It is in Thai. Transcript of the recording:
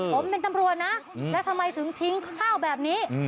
ผมเป็นตำรวจนะแล้วทำไมถึงทิ้งข้าวแบบนี้